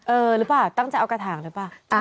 เออหรือเปล่าตั้งใจเอากระถางหรือเปล่า